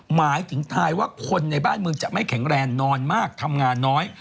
หมายถึงทายว่าคนในบ้านเมืองจะไม่แข็งแรงนอนมากทำงานน้อย